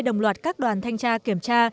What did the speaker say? đồng loạt các đoàn thanh tra kiểm tra